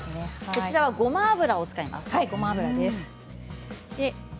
こちらはごま油を使います。